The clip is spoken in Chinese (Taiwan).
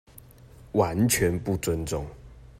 完全不尊重